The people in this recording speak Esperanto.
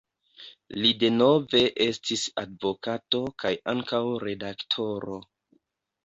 Li denove estis advokato kaj ankaŭ redaktoro.